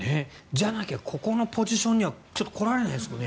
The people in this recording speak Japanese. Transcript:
じゃなきゃここのポジションにはちょっと来られないですよね。